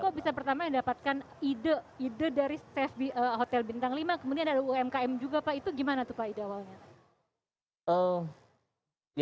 kok bisa pertama yang dapatkan ide ide dari hotel bintang lima kemudian ada umkm juga pak itu gimana tuh pak ide awalnya